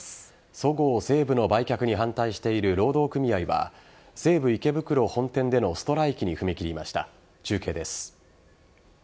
そごう・西武の売却に反対している労働組合は西武池袋本店でのストライキに踏み切りました。